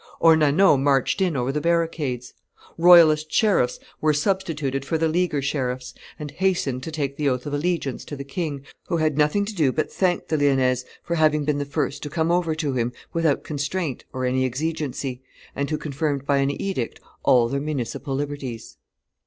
Ornano marched in over the barricades; royalist sheriffs were substituted for the Leaguer sheriffs, and hastened to take the oath of allegiance to the king, who had nothing to do but thank the Lyonnese for having been the first to come over to him without constraint or any exigency, and who confirmed by an edict all their municipal liberties.